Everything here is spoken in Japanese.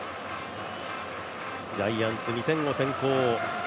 ジャイアンツ、２点を先行。